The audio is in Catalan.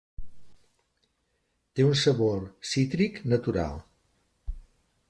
Té un sabor cítric natural.